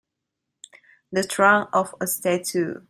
The trunk of a statue.